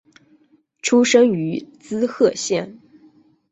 出身于滋贺县。